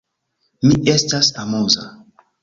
Mi estas amuza.